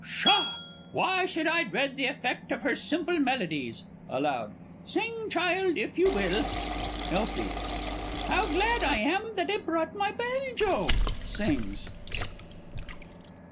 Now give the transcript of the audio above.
_) Pshaw! why should I dread the effect of her simple melodies? (Aloud.) Sing, child, if you will. Elfie. How glad I am that I brought my banjo! [_Sings.